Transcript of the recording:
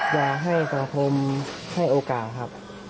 อยากให้สังคมให้โอกาสครับ